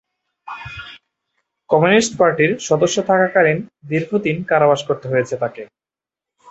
Communist পার্টির সদস্য থাকাকালীন দীর্ঘ দিন কারাবাস করতে হয়েছে তাকে।